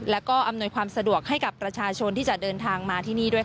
แล้วก็อำนวยความสะดวกให้กับประชาชนที่จะเดินทางมาที่นี่ด้วย